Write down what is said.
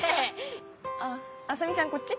あっ麻美ちゃんこっち？